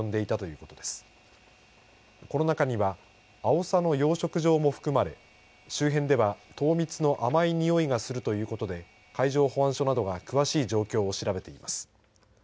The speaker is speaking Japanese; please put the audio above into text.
この中にはアオサの養殖場も含まれ周辺では糖蜜の甘いにおいがするということで海上保安署などが詳しい状況を調べています。